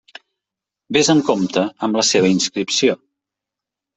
Vés amb compte amb la seva inscripció.